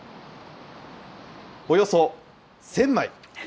およそ１０００枚。